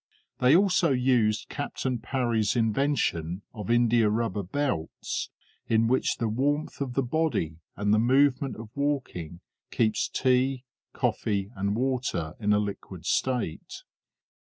They also used Captain Parry's invention of indiarubber belts, in which the warmth of the body and the movement of walking keeps coffee, tea, and water in a liquid state.